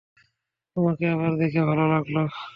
তোমাকে আবার দেখে ভালো লাগলো।